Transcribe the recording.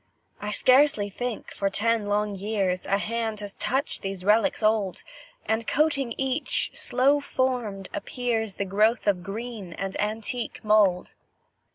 I scarcely think, for ten long years, A hand has touched these relics old; And, coating each, slow formed, appears The growth of green and antique mould.